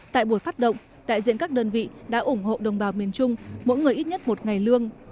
tại buổi phát động đại diện các đơn vị đã ủng hộ đồng bào miền trung mỗi người ít nhất một ngày lương